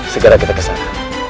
segera kita kesana